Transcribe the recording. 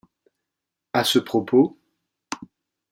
À ce propos.